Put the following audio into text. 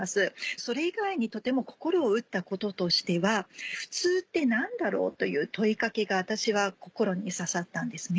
それ以外にとても心を打ったこととしては普通って何だろう？という問い掛けが私は心に刺さったんですね。